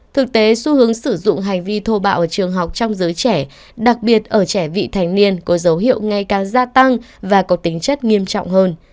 thực tế xu hướng sử dụng hành vi thô bạo ở trường học trong giới trẻ đặc biệt ở trẻ vị thành niên có dấu hiệu ngày càng gia tăng và có tính chất nghiêm trọng hơn